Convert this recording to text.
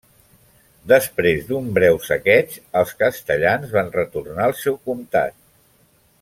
Després d'un breu saqueig els castellans van retornar al seu comtat.